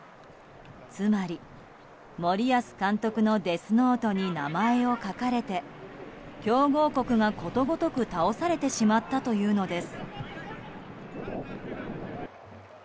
つまり、森保監督のデスノートに名前を書かれて、強豪国がことごとく倒されてしまったというのです。